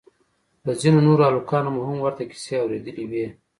له ځينو نورو هلکانو مو هم ورته کيسې اورېدلې وې.